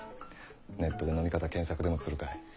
ネットで「飲み方」検索でもするかい？